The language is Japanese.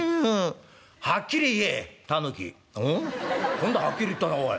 今度ははっきり言ったなおい。